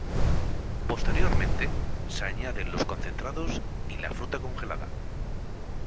Posteriormente, se añade los concentrados y la fruta congelada.